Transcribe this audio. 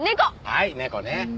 はい猫ね。